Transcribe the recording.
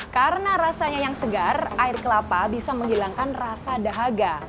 karena rasanya yang segar air kelapa bisa menghilangkan rasa dahaga